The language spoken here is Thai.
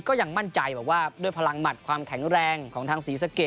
ก็ยังมั่นใจบอกว่าด้วยพลังหมัดความแข็งแรงของทางศรีสะเกด